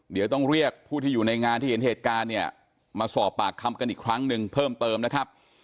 เดี๋ยวต้องเรียกผู้ที่อยู่ในงานที่เห็นเหตุการณ์เนี่ยมาสอบปากคำกันอีกครั้งหนึ่งเพิ่มเติมนะครับ